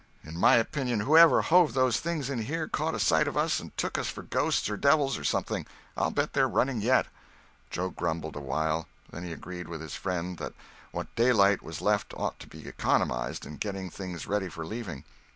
In my opinion, whoever hove those things in here caught a sight of us and took us for ghosts or devils or something. I'll bet they're running yet." Joe grumbled awhile; then he agreed with his friend that what daylight was left ought to be economized in getting things ready for leaving.